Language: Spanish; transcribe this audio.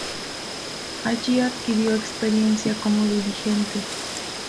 Allí adquirió experiencia como dirigente.